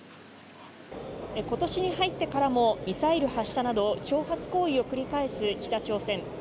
今年に入ってからもミサイル発射など挑発行為を繰り返す北朝鮮。